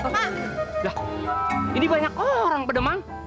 lah ini banyak orang pak demang